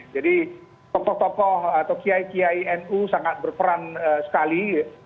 jadi tokoh tokoh atau kiai kiai nu sangat berperan sekali